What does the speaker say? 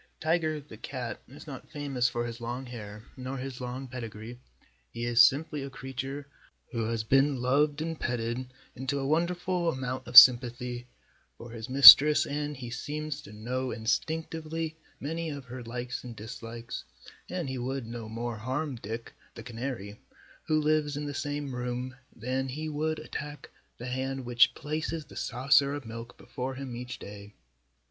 Tiger, the cat, is not famous for his long hair nor for his long pedigree. He is simply a creature who has been loved and petted into a wonderful amount of sympathy for his mistress and he seems to know instinctively many of her likes and dislikes, and he would no more harm Dick, the canary, who lives in the same room, than he would attack the hand which places the saucer of milk before him each day.